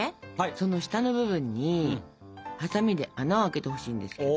その下の部分にハサミで穴を開けてほしいんですけど。